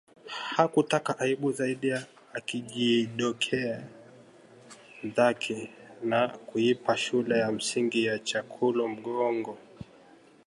Hakutaka aibu zaidi akjiondokea zake na kuipa shule ya msingi ya Chakulo mgongo